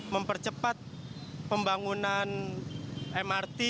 mempercepat pembangunan mrt